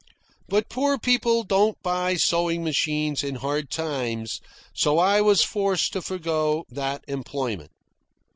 But poor people don't buy sewing machines in hard times, so I was forced to forgo that employment.